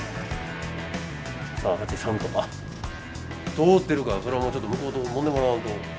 どう出るかそれはもうちょっと向こうともんでもらわんと。